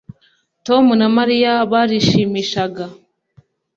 Tom na Mariya barishimishaga